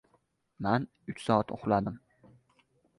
Qulog‘imning ketini qashidim.